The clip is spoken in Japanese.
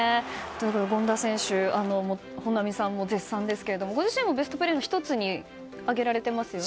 権田選手、本並さんも絶賛ですがご自身もベストプレーの１つに挙げられていますね。